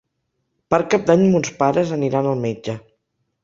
Per Cap d'Any mons pares aniran al metge.